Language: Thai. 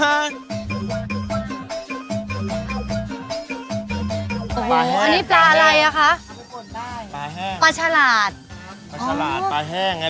อันนี้ปลาอะไรอ่ะคะทุกคนได้ปลาแห้งปลาฉลาดปลาฉลาดปลาแห้งไง